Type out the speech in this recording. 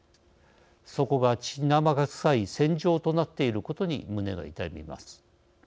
そこが血生臭い戦場となっていることに胸が痛みます。